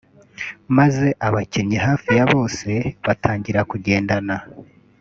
maze abakinnyi hafi ya bose batangira kugendana